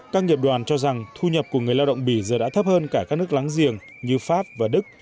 các nghiệp đoàn cho rằng thu nhập của người lao động bỉ giờ đã thấp hơn cả các nước láng giềng như pháp và đức